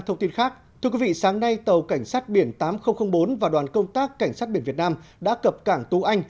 thưa quý vị sáng nay tàu cảnh sát biển tám nghìn bốn và đoàn công tác cảnh sát biển việt nam đã cập cảng tú anh